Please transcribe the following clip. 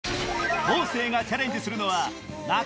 方正がチャレンジするのは